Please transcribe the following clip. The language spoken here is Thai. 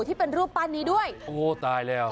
ที่เป็นรูปปั้นนี้ด้วยโอ้ตายแล้ว